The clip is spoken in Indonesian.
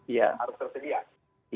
iya harus tersedia